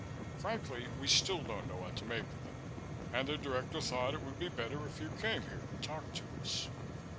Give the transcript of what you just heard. Frankly, we still don't know what to make of them and the Director thought it would be better if you came here and talked to us."